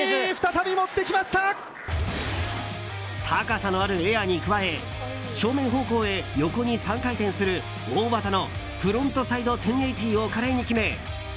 高さのあるエアに加え正面方向へ横へ３回転する大技のフロントサイド１０８０を華麗に決め